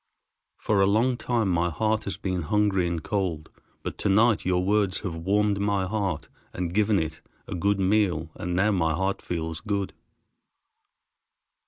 For a long time my heart has been hungry and cold, but to night your words have warmed my heart, and given it a good meal, and now my heart feels good."